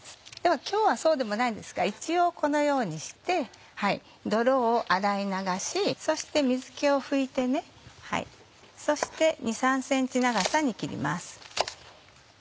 今日はそうでもないんですが一応このようにして泥を洗い流しそして水気を拭いて２３ｃｍ長さに切ります。